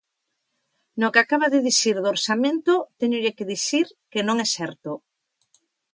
No que acaba de dicir do orzamento, téñolle que dicir que non é certo.